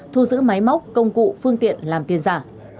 thu giữ máy móc công cụ phương tiện làm tiền giả